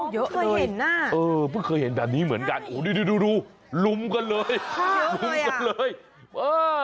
เยอะเลยพึ่งเคยเห็นแบบนี้เหมือนกันดูลุ้มกันเลยลุ้มกันเลย